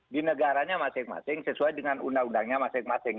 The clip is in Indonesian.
di negaranya masing masing sesuai dengan undang undangnya masing masing